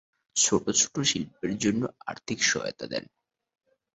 ছোট ছোট শিল্পের জন্য আর্থিক সহায়তা দেন।